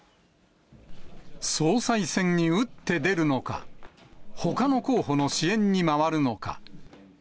総裁選に打って出るのか、ほかの候補の支援に回るのか。